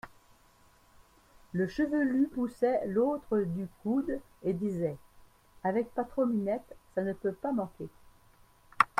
Le chevelu poussait l'autre du coude et disait : Avec Patron-Minette, ça ne peut pas manquer.